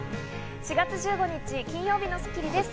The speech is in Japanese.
４月１５日、金曜日の『スッキリ』です。